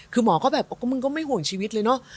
คือหมอก็แบบมึงก็ไม่ห่วงชีวิตเลยเนอะ